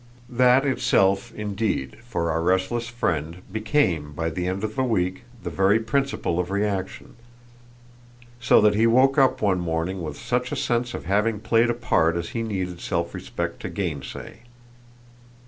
That itself indeed, for our restless friend, became by the end of a week the very principle of reaction: so that he woke up one morning with such a sense of having played a part as he needed self respect to gainsay.